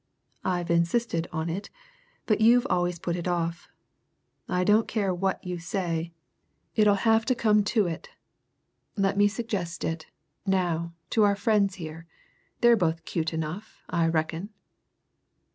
"I've insisted on it, but you've always put it off. I don't care what you say it'll have to come to it. Let me suggest it, now, to our friends here they're both cute enough, I reckon!"